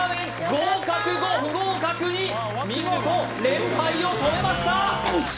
合格５不合格２見事連敗を止めましたよし！